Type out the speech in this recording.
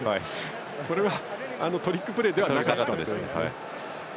これはトリックプレーではなかったんですね。